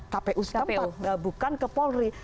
kpu setempat bukan ke polri